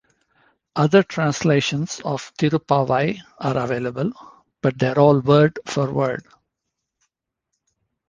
Other translations of Tiruppavai are available - but they are all word for word.